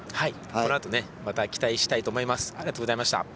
このあとまた期待したいと思います。